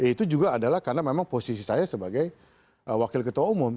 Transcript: itu juga adalah karena memang posisi saya sebagai wakil ketua umum